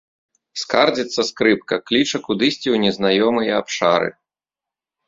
Скардзіцца скрыпка, кліча кудысьці ў незнаёмыя абшары.